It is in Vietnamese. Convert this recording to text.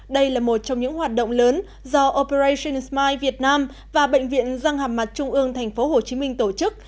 đây là một trong những hoạt động lớn do operation smile việt nam và bệnh viện răng hàm mặt trung ương tp hcm tổ chức